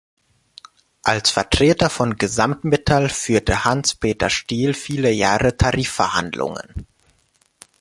Als Vertreter von Gesamtmetall führte Hans Peter Stihl viele Jahre Tarifverhandlungen.